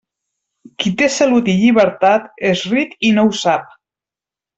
Qui té salut i llibertat és ric i no ho sap.